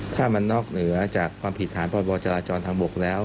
ถ้ามันนอกเหนือจากความผิดฐานพบจราจรทางบกแล้ว